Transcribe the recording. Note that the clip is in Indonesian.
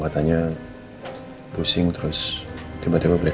katanya pusing terus tiba tiba beli tau